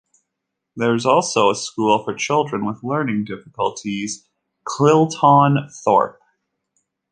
There is also a school for children with learning difficulties, Kilton Thorpe.